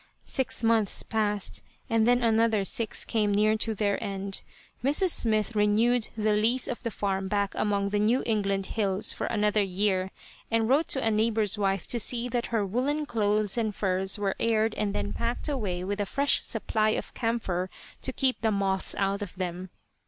Six months passed, and then another six came near to their end. Mrs. Smith renewed the lease of the farm back among the New England hills for another year, and wrote to a neighbor's wife to see that her woolen clothes and furs were aired and then packed away with a fresh supply of camphor to keep the moths out of them.